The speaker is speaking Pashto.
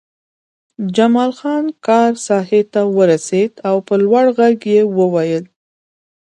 جمال خان کار ساحې ته ورسېد او په لوړ غږ یې وویل